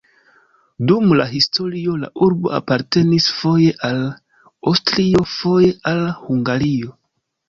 Dum la historio la urbo apartenis foje al Aŭstrio, foje al Hungario.